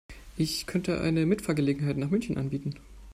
Ich könnte eine Mitfahrgelegenheit nach München anbieten